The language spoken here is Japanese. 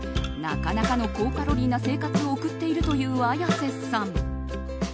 なかなかの高カロリーな生活を送っているという綾瀬さん。